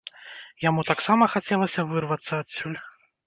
Яму таксама хацелася вырвацца адсюль.